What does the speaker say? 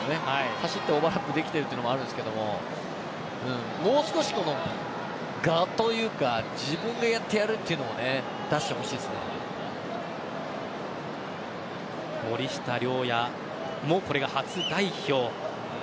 走ってオーバーラップできているというのもあるんですがもう少し、我というか自分がやってるというのを森下龍矢もこれが初代表。